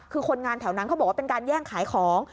คือคนงานแถวนั้นเขาบอกว่าเป็นการแย่งขายของ